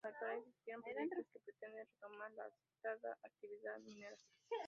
En la actualidad existen proyectos que pretenden retomar la citada actividad minera.